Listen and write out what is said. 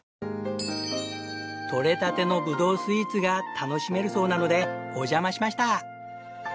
とれたてのぶどうスイーツが楽しめるそうなのでお邪魔しました。